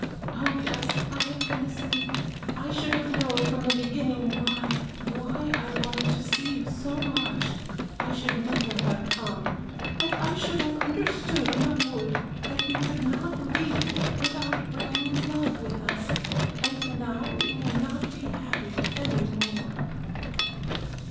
"Oh yes, I have been asleep I should have known from the beginning why, why I wanted to see you so much I should never have come and I should have understood in the wood that we could not leave it without bringing Love with us and now we may not be happy any more."